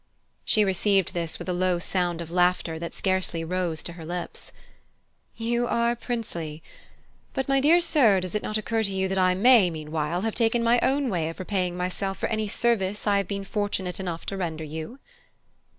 She received this with a low sound of laughter that scarcely rose to her lips. "You are princely. But, my dear sir, does it not occur to you that I may, meanwhile, have taken my own way of repaying myself for any service I have been fortunate enough to render you?"